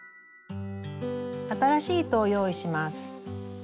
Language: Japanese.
新しい糸を用意します。